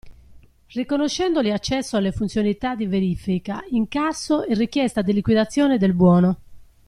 Riconoscendogli accesso alle funzionalità di verifica, incasso e richiesta di liquidazione del buono.